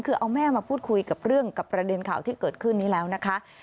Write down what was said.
คือเอาแม่มาพูดคุยกับเรื่องกับประเด็นข่าวที่เกิดขึ้นนี้แล้วนะคะ